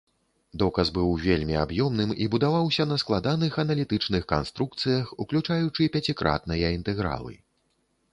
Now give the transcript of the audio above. Доказ быў вельмі аб'ёмным і будаваўся на складаных аналітычных канструкцыях, уключаючы пяцікратныя інтэгралы.